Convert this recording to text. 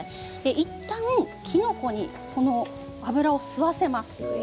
いったん、きのこにこの油を吸わせます。